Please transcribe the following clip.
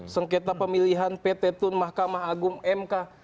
sengketa pemilihan pt tun mahkamah agung mk